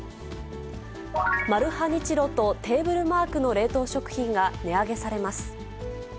マルハニチロとテーブルマークの冷凍食品が値上げされます。